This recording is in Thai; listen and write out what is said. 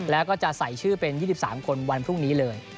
แล้วก็จะใส่ชื่อเป็น๒๓คนวันพรุ่งนี้เลย